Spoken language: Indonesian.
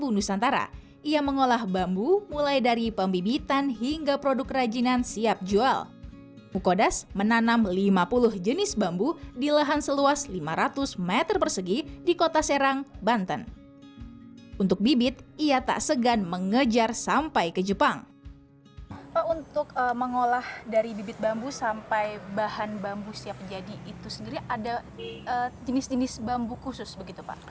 untuk mengolah dari bibit bambu sampai bahan bambu siap jadi itu sendiri ada jenis jenis bambu khusus begitu pak